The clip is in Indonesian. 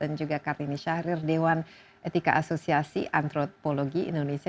dan juga karini syahrir dewan etika asosiasi antropologi indonesia